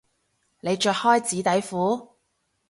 你着開紙底褲？